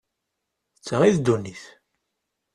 D ta i ddunit.